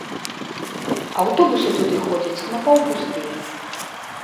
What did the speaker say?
Аўтобусы туды ходзяць напаўпустыя.